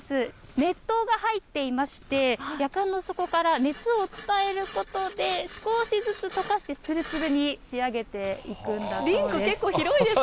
熱湯が入っていまして、やかんの底から熱を伝えることで、少しずつとかして、つるつるに仕上げていくんだそうです。